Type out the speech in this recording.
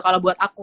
kalau buat aku